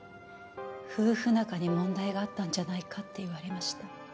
夫婦仲に問題があったんじゃないかって言われました。